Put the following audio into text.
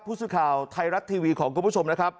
ผู้สื่อข่าวไทยรัฐทีวีของคุณผู้ชมนะครับ